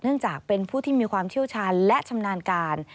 จากเป็นผู้ที่มีความเชี่ยวชาญและชำนาญการ